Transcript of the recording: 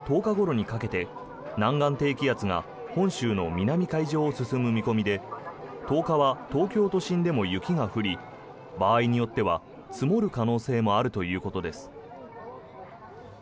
９日から１０日ごろにかけて南岸低気圧が本州の南海上を進む見込みで１０日は東京都心でも雪が降り場合によっては積もる可能性もあるということです。